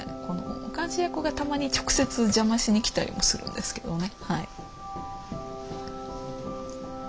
監視役がたまに直接邪魔しに来たりもするんですけどね。